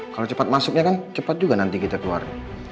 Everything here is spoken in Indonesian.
kalau cepat masuknya kan cepat juga nanti kita keluar